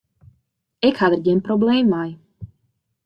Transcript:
Ik ha der gjin probleem mei.